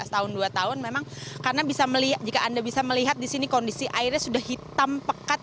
tahun dua tahun memang karena bisa melihat jika anda bisa melihat disini kondisi airnya sudah hitam pekat